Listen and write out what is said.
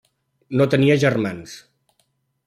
No tenia germans.